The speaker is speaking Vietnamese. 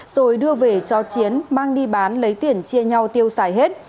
rồi đưa về cho chiến mang đi bán lấy tiền chia nhau tiêu xài hết